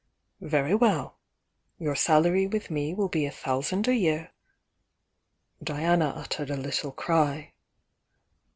Very well. Your salary with me will be a thousand a year " Diana uttered a little cry.